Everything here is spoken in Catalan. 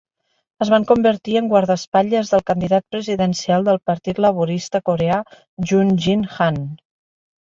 Es van convertir en guardaespatlles del candidat presidencial del Partit Laborista coreà Jun Jin-Han.